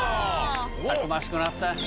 たくましくなった。